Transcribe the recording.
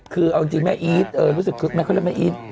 คือเอาจริงแม่อีทรู้สึกแม่เขาเรียกแม่อีท